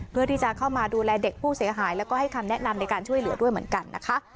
เพื่อที่จะเข้ามาดูแลเด็กผู้เสียหายแล้วก็ให้คำแนะนำในการช่วยเหลือด้วยเหมือนกันนะคะ